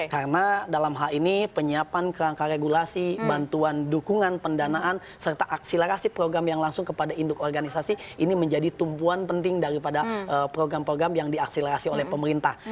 karena dalam hal ini penyiapan kerangka regulasi bantuan dukungan pendanaan serta aksilerasi program yang langsung kepada induk organisasi ini menjadi tumpuan penting daripada program program yang diaksilerasi oleh pemerintah